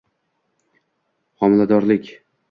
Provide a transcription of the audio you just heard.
Homiladorlik;